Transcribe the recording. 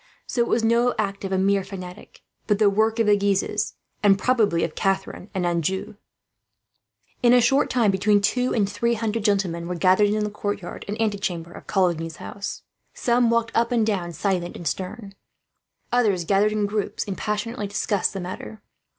So it was no act of a mere fanatic, but the work of the Guises, and probably of Catharine and Anjou. In a short time between two and three hundred gentlemen were gathered in the courtyard and antechamber of Coligny's house. Some walked up and down, silent and stern. Others gathered in groups, and passionately discussed the matter.